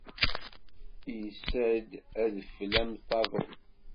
Issa-d adfel am taḍuḍt.